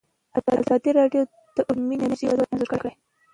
ازادي راډیو د اټومي انرژي وضعیت انځور کړی.